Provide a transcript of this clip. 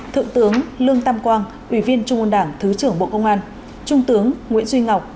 thượng tướng lương tam quang ủy viên trung ương đảng thứ trưởng bộ công an trung tướng nguyễn duy ngọc